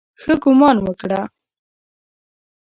ښه ګومان وکړه.